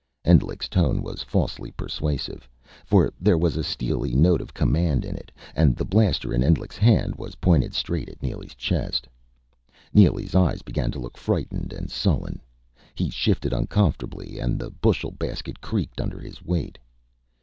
Endlich's tone was falsely persuasive. For there was a steely note of command in it. And the blaster in Endlich's hand was pointed straight at Neely's chest. Neely's eyes began to look frightened and sullen. He shifted uncomfortably, and the bushel basket creaked under his weight.